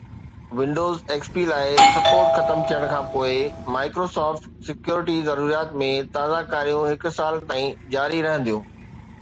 windows XP لاءِ support ختم ٿيڻ کان پوءِ Microsoft سيڪيورٽي ضروريات ۾ تازه ڪاريون هڪ سال تائين جاري رهنديون